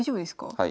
はい。